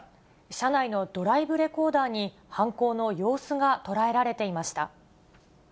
車内のドライブレコーダーに犯行の様子が捉えられていました。